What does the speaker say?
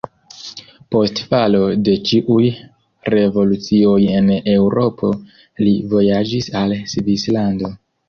Post falo de ĉiuj revolucioj en Eŭropo li vojaĝis al Svislando.